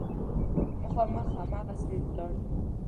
مخامخ هماغسې لاړم.